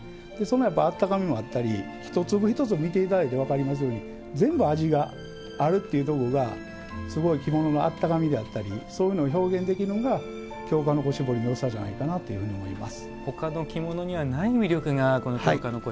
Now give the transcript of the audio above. あったかみもあったり一粒一粒見ていただいたら分かりますように全部味があるっていうところが着物のあったかみであったりそういうのを表現できるのが京鹿の子絞りのよさじゃないかなと思います。